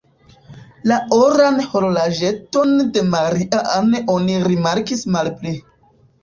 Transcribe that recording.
La oran horloĝeton de Maria-Ann oni rimarkis malpli.